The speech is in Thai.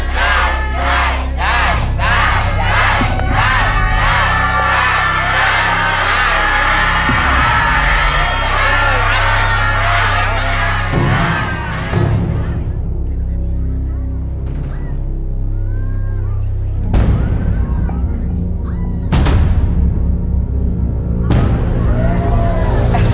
ใส่ใส่ใส่